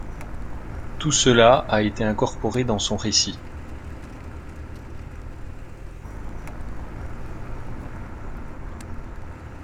Tout cela a été incorporé dans son récit.